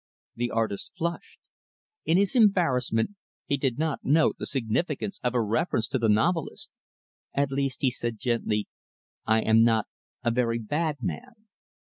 The artist flushed. In his embarrassment, he did not note the significance of her reference to the novelist. "At least," he said gently, "I am not a very bad man."